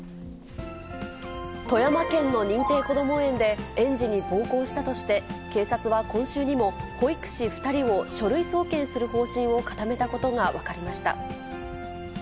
富山県の認定こども園で、園児に暴行したとして、警察は今週にも保育士２人を書類送検する方針を固めたことが分かりました。